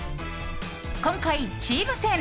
今回はチーム戦。